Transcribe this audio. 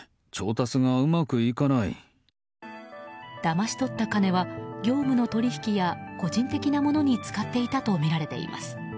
だまし取った金は業務の取引や個人的なものに使っていたとみられています。